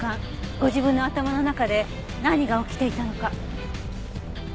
ご自分の頭の中で何が起きていたのか。